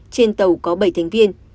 trên tàu có bảy thành viên